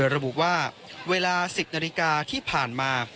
ระบุว่าเวลา๑๐นาฬิกาที่ผ่านมา